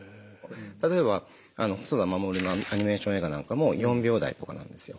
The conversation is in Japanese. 例えば細田守のアニメーション映画なんかも４秒台とかなんですよ。